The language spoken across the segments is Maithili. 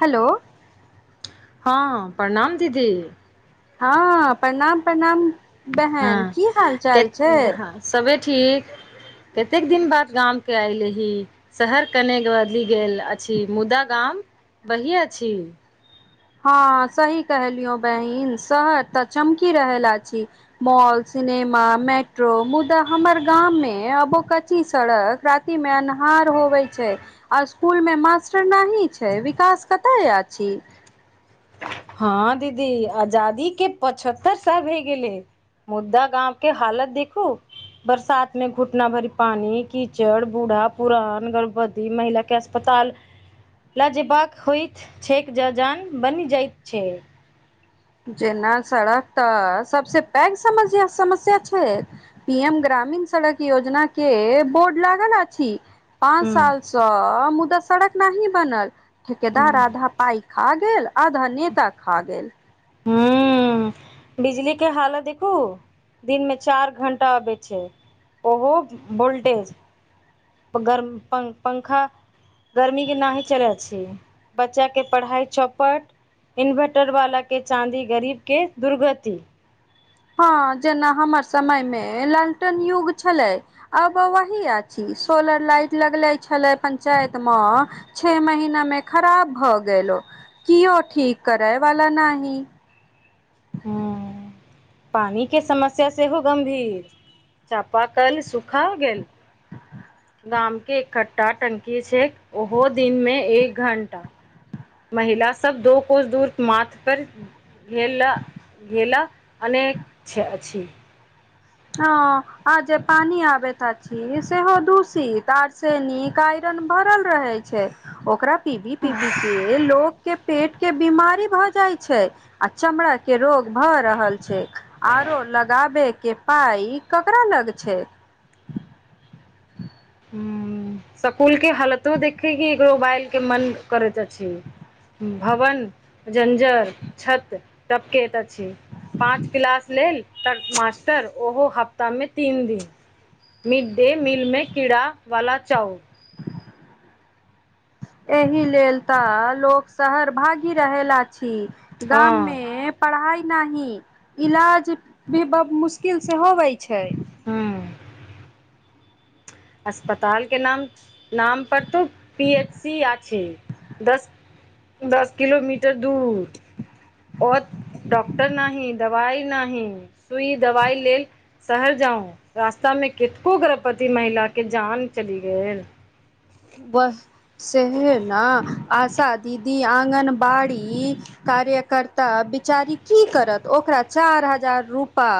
हेलो। हँ, प्रणाम दीदी। हँ प्रणाम प्रणाम बहन, की हाल चाल छै? सबे ठीक। कते दिन बाद गाम के ऐले रही, शहर कनेक बदलि गेल। अछि मुदा गामा वहि अछि। हँ सही कहलियो बहिन शहर त चमकी रहल ला छी। मॉल, सिनेमा, मेट्रो मुदा हमर गाम मे अबो कच्ची सड़क राती में अन्हार होवे छै। आ स्कुल मे मास्टर नही छै विकास कतय अछि। हँ दीदी, आजादी के पचहत्तर साल भए गेलै। मुदा गाँव के हालत देखू बरसात मे घुटना भरि पानी, कीचड़, बूढ़ा, पुरान गर्भवती महिला कैसे अस्पताल ल जयबाक होइत छैक त जान पर बनि जाइत छै। जेना सड़क त सबसे पैघ समस्या छै। पी एम ग्रामीण सड़क योजना के बोर्ड लागल अछि। पाँच हूँ सालसँ मुदा सड़क नहि बनल। ठेकेदार हूँ आधा पाई खा गेल आधा नेता खा गेल। हुं। बिजली के हालत देखू दिनमे चार घंटा आबै छै। ओहो वोल्टेज गरम प पंखा गर्मीके नही चलै छै। बच्चाके पढ़ाइ चौपट इन्वर्टरवलाके चाँदी, गरीबके दुर्गति। हँ जेना हमर समय मे लालटेन युग छलै। आब वही अछि, सोलर लाइट लगले छले पंचायत मे छे महीना मे खराब भ गेल ओ, कियो ठीक करय वला नहि। हँ। पानी के समस्या सेहो गंभीर चापाकल सुखा गेल। गामके एकठ्ठा टंकी छै ओहो दिनमे एक घण्टा। महिला सब दो कोस दूर माथ पर घैला घैला अनैत अछि। हं आ जे पानी आबैत अछि, सेहो दूषित आरसेनीक। आयरन भरल रहे छै ओकरा पीबी पीबी के लोको के पेट के बीमारी भ जाइ छै आ चमड़ा के रोग भए रहल छै। आरो लगाबे के पाय ककरा लग छै? हुं सकूल के हालतो देखे क एकरो बाइल के मन करैत अछि। भवन जंजर छत टपकैत। पाँच क्लास लेल मास्टर ओहो हफ्ता हप्ता मे तीन दिन, मिडडे मीलमें कीड़ा वला चाउर तहि लेल त लोक शहर भागी रहल अछि, हँ गाममे पढ़ाइ नही, इलाज भी ब मुश्किल सेहो होइ छै। हुं। अस्पताल के नाम नाम पर त पी एच सी आ छै, दस दस किलोमीटर दूर ओ डॉक्टर नही, दवाई नही, सुई दवाई लेल शहर जाउ, रास्ता में कतेको गर्भवती महिला के जान चली गेल। वह सहिये ना, आशा दीदी, आंगनबाड़ी कार्यकर्ता बिचारी की करत, ओकरा चार हजार रुपा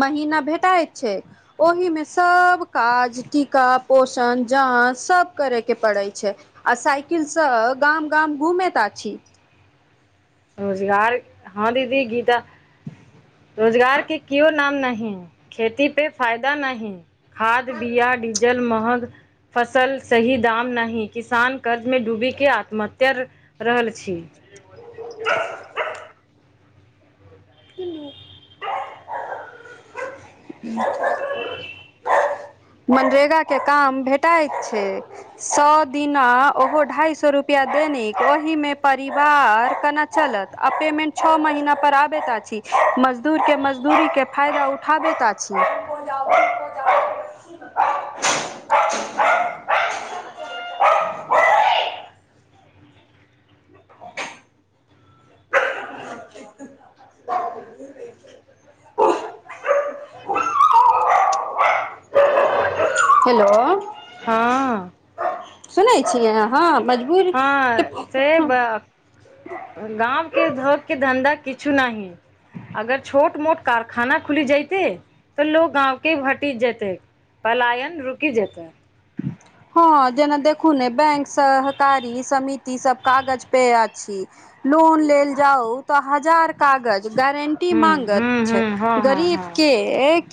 महीना भेटय छै ओहि मे सब काज, टीका पोषण जाँच सब करे के पड़ै छै। आ साइकिलसं गाम गाम घूमेैत अछि। रोजगार, हँ दीदी गीता रोजगार के कियो नाम नहि खेती पे फायदा नहि। खाद बीआ डीजल महग फसल सही दाम नहि, किसान कर्ज मे डूबी के आत्महत्या रहल छी। [unintelligible] हँ मनरेगा के काम भेटैत छै। सौ दिना ओहो ढ़ाइ सौ रुपैआ देनिक ओहिमे परिवार केना चलत आ पेमेन्ट छओ महीना पर आबैत अछि मजदूर के मजदूरीक के फायदा उठाबैत सााची [unintelligible] [unintelligible] हेलो। हँ। सुनै छियै अहां। हँ से ब गाँव के धो क के धन्धा किछु नहि। अगर छोट मोट कारखाना खुली जैतै त लोग गाँंव के भेटि जेतै पलायन रुकि जेतै। हं हँ जेना देखू ने बैंक सहकारी समिति सब कागज पर अछि। लोन लेल जाउ त हजार कागज, गारंटी टी हूँ माँंगैत हूँ छै, हूँ हँ हँ गरीब हँ के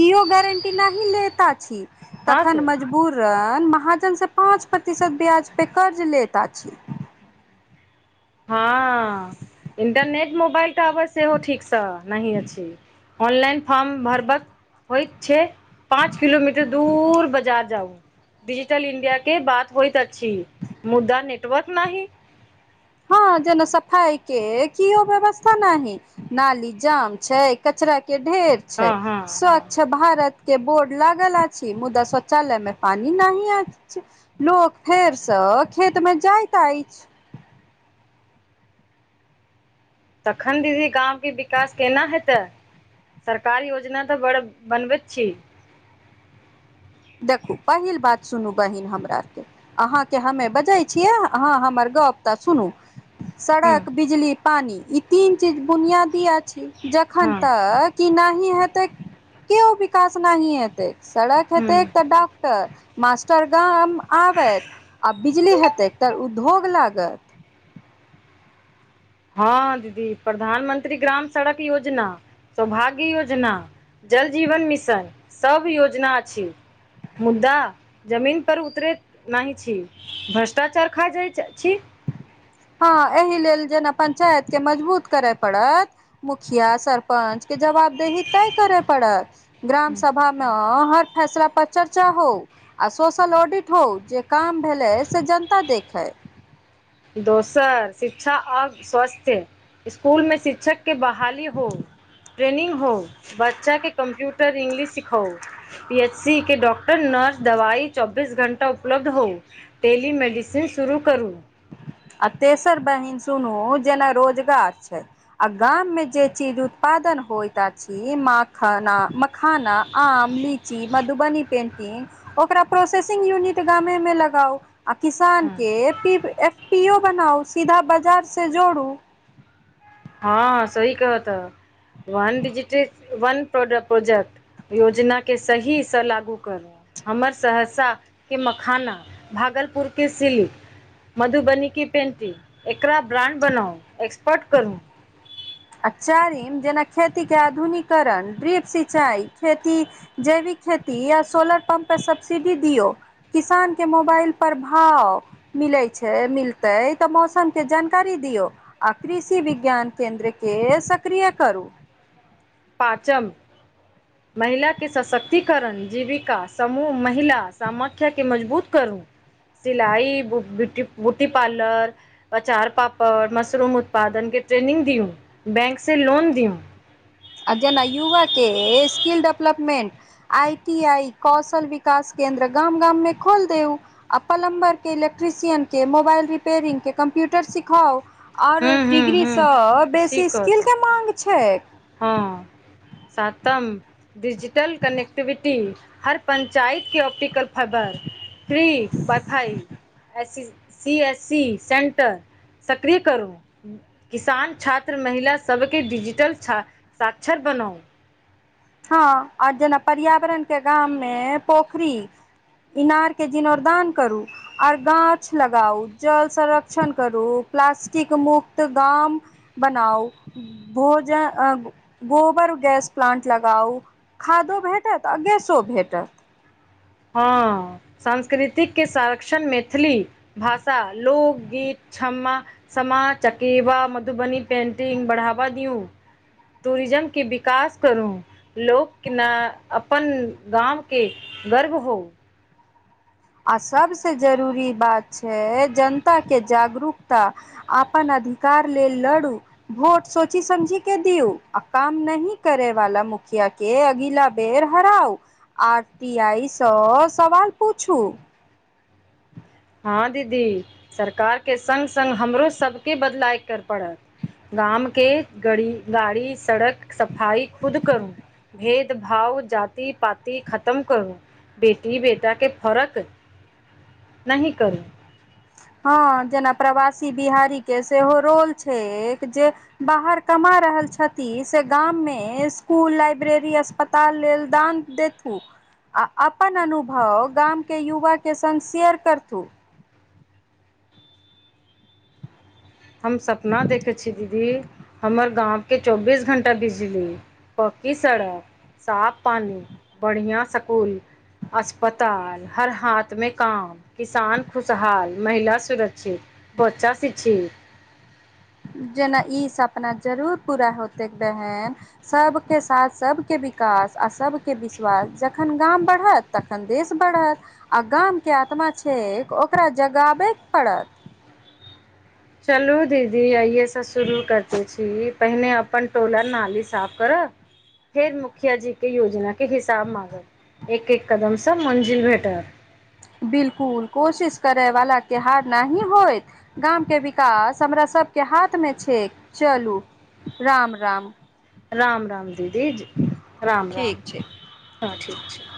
केओ गारंटी न लेता छी। हँ सुन। त महाजनसे पाँच प्रतिशत ब्याज पर कर्ज लेैत अछि। हँ, इन्टरनेट मोबाइल टावर सेहो ठीकसँ नहि अछि। ऑनलाइन फार्म भरबक होइत छै, पाँच किलोमीटर दूर बाजार जाउ। डिजिटल इंडिया के बात होयत अछि मुद्दा नेटवर्क नहि। हां जेना सफाई के कियो व्यवस्था नाहि। नाली जाम छै, कचरा के ढेर हँ छै, हँ हँ स्वच्छ भारत के बोर्ड लागल अछि, मुद्दा शौचालय मे पानी नहि अछि। लोक फेर सँ खेतमे जाएत एछ। तखन दीदी गाँवके विकास केना हेतै। सरकार योजना तऽ बड़ बनबैत छी। देखु पहिल बात सुनू बहिन हमरा आरके अहाँके हम्मे बजै छियै, अहाँ हमर गप तऽ सुनू। हूँ सड़क, बिजली, पानी ई तीन चीज बुनियादी अछि जखन हँ तक की नहि हेतै, केओ विकास नहि हेतै, सड़क हूँ हेतै। डाॅक्टर, मास्टर गाम आबै आ बिजली हेतै तऽ उ धोग लागल। हां दीदी प्रधानमंत्री ग्राम सड़क योजना, सौभाग्य योजना जल जीवन मिशन सब योजना अछि मुद्दा जमीन पर उतरैत नाहि छी, भ्रष्टाचार खा जाय छी। हां एहि लेल जेना पंचायत के मजबूत करय पड़त। मुखिया, सरपंच के जवाबदेही तय करै पड़त ग्राम सभा मे ना हर फैसला पर चर्चा हो आ सोशल ऑडिट हो जे काम भेलै से जनता देखै। दोसर शिक्षा आ स्वस्थ्य इसकुल मे शिक्षक के बहाली हो, ट्रेनिंग हो, बच्चाके कम्प्यूटर इंग्लिश सिखाउ। पी एच सी के डाॅक्टर, नर्स दवाई चौ बीस घण्टा उपलब्ध हो, डेली मेडिसिन शुरू करू। आ तेसर बहिन सुनू जेना रोजगार छै। आ गाम मे जे चीज उत्पादन होएत अछि, माखाना मखाना, आम, ली ची मधुबनी पेन्टिंग ओकरा प्रोसेसिंग यूनिट गामेमे लगाउ। आ किसान के पीब एफ पी ओ बनाउ, सीधा बजार से जोड़ु। हां सही कहता। वन डिजिट, वन प्रोडे प्रोजेक्ट योजना के सही से लागू करू, हमर सहरसा के मखाना, भागलपुर के सिल्क, मधुबनी के पेंटिंग एकरा ब्राण्ड बनाउ, एक्सपर्ट करू। आ चारिम जेना खेती के आधुनीकरण, ड्रिप सिंचाई, खेती जैविक खेती या सोलर पम्प पे सब्सिडी दियौ। किसान के मोबाइल पर भाव मिलै छै, मिलतै तऽ मौसम के जानकारी दियौ। आ कृषि विज्ञान केन्द्र के सक्रिय करू। पाचम महिलाके सशक्तिकरण, जीविका, समूह महिला समाख्या के मजबूत करू। सिलाई, बु ब्यूटी बुटी पार्लर अचार, पापड़, मशरूम उत्पादन के ट्रेनिंग दियौ, बैंक से लोन दियौ। आ जेना युवा के skill development I T I, कौशल विकास केन्द्र गाम-गाम मे खोल देउ। आ पलम्बर के, इलेक्ट्रिशियन के, मोबाएल रिपेयरिंग के कम्प्यूटर सिखाउ। और हूँ हूँ डिग्री हूँ सँ बेसी स्किल के माँग छै। हूँ। सातम डिजिटल कनेक्टिविटी हर पंचायत के ऑप्टिकल फ फ फ्री वाइ फाइ C C S C centre सक्रिय करू। किसान छात्र महिला सबके डिजिटल छा साक्षर बनाउ। हँ आओर जेना पर्यावरण के गाम मे पोखरी इनारके जीर्णोदान करू। आर गाछ लगाउ जल संरक्षण करू प्लास्टिक मुक्त गाम। बनाउ भोज अ गोबर गैस प्लान्ट लगाउ खादो भेटत आ गैसो भेटत। हँ। सांस्कृतिक के संरक्षण मैथिली भाषा लोकगीत क्षमा सामा चकेबा, मधुबनी पेन्टिंग बढ़ावा दियू। टूरिज्म की विकास करू। लोक के न अपन गाँव के गर्व हो। आ सभसँ जरूरी बात छैय जनताके जागरूकता। अपन अधिकार लेल लड़ू। भोट सोची समझी के दियू आ काम नही करे वाला मुखिया के अगिला बेर हराउ, आर टी आइ सँ सवाल पूछू। हँ दीदी सरकारके सङ्ग सङ्ग हमरो सभके बदलाइ करय पड़त। गाम के गड़ी गाड़ी सड़क सफाई खुद करू। भेदभाव जाति पाति खतम करू, बेटी बेटाके फरक नहि करू। हँ जेना प्रवासी बिहारी के सेहो रोल छैय एक जे बाहर कमा रहल छथि से गाममे स्कुल लाइब्रेरी पता लेल दान देतू आ अपन अनुभव गामके युवाके सङ्ग शेयर करथू। हम सपना देखै छी दीदी हमर गाम के चौबीस घण्टा बिजली पक्की सड़क साफ पानि, बढ़िआ सकूल अस्पताल, हर हाथमे काम किसान खुशहाल, महिला सुरक्षित, बच्चा शिक्षित जेना ई सपना जरूर पूरा होतै बहन। सभके साथ, सभके विकास आ सभके विश्वास जखन गाम बढ़त तखन देश बढ़त आ गामके आत्मा छैय ओकरा जगाबैके पड़त। चलू दीदी आइयेसँ शुरू करिते छी, पहिने अपन टोल नाली साफ करब। [unintelligible] फेर मुखिया जी के योजना के हिसाब मांगब, एक एक कदमसँ मंजिल भेटत। बिलकुल कोशिश करैवलाके हार नहि होइत। गाम के विकास हमरा सबके हाथ मे छैय, चलू राम-राम। राम राम दीदी राम ठीक राम, छै हँ ठीक छैय।